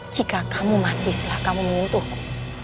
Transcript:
jika kamu mati setelah kamu menyentuhku